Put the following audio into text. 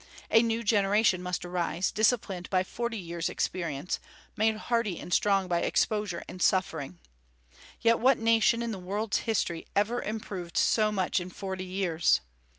A new generation must arise, disciplined by forty years' experience, made hardy and strong by exposure and suffering. Yet what nation, in the world's history, ever improved so much in forty years?